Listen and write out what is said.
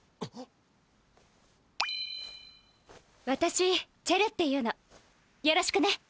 わたしチェルっていうのよろしくね。